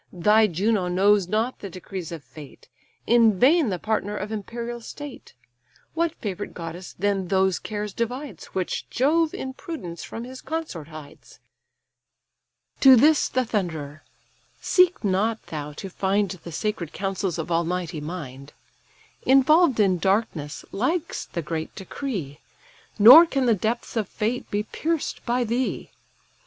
Thy Juno knows not the decrees of fate, In vain the partner of imperial state. What favourite goddess then those cares divides, Which Jove in prudence from his consort hides?" To this the thunderer: "Seek not thou to find The sacred counsels of almighty mind: Involved in darkness lies the great decree, Nor can the depths of fate be pierced by thee.